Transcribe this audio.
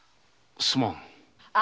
すまん。